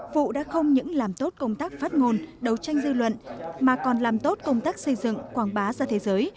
vụ đã không những làm tốt công tác phát ngôn đấu tranh dư luận mà còn làm tốt công tác xây dựng quảng bá ra thế giới